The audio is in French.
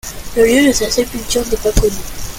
Le lieu de sa sépulture n'est pas connu.